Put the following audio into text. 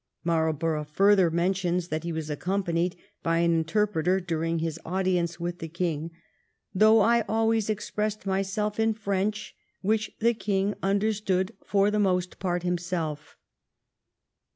Marl borough further mentions that he was accompanied by an interpreter during his audience with the King, ' though I always expressed myself in French, which the king understood for the most part himself.'